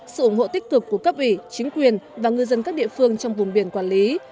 sự ủng hộ tích cực của cấp ủy chính quyền và ngư dân các địa phương trong vùng biển quản lý